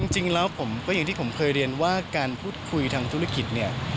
จริงแล้วผมก็อย่างที่ผมเคยเรียนว่าการพูดคุยทางธุรกิจเนี่ย